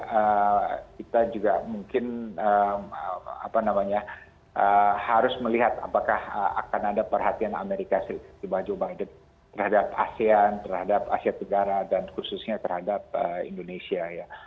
jadi kita juga mungkin harus melihat apakah akan ada perhatian amerika joe biden terhadap asean terhadap asia tenggara dan khususnya terhadap indonesia